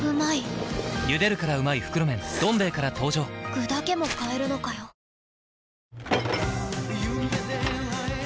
具だけも買えるのかよ女性）